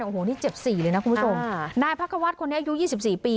โอ้โหนี่เจ็บสี่เลยนะคุณผู้ชมค่ะนายพักควัฒน์คนนี้อายุยี่สิบสี่ปี